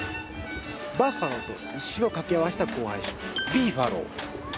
バッファローとウシを掛け合わせた交配種ビーファロー。